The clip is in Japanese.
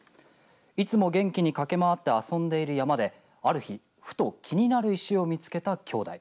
いつも元気に駆け回って遊んでいる山である日、ふと気になる石を見つけた兄弟。